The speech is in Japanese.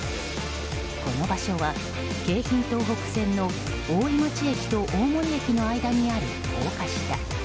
この場所は、京浜東北線の大井町駅と大森駅の間にある高架下。